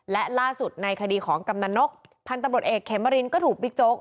และล่าสุดในคดีของกำนันนกพันธุ์ตำรวจเอกเขมรินก็ถูกบิ๊กโจ๊ก